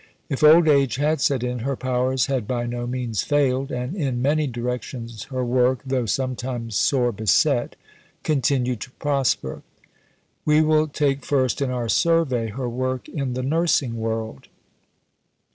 If old age had set in, her powers had by no means failed, and in many directions her work, though sometimes sore beset, continued to prosper. We will take first in our survey her work in the nursing world.